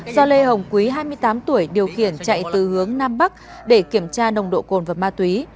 do lê hồng quý hai mươi tám tuổi điều khiển chạy từ hướng nam bắc để kiểm tra nồng độ cồn và ma túy